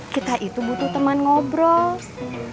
kita itu butuh teman ngobrol